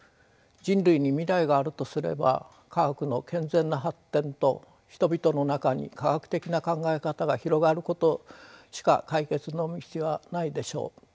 人類に未来があるとすれば科学の健全な発展と人々の中に科学的な考え方が広がることしか解決の道はないでしょう。